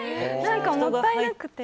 もったいなくて。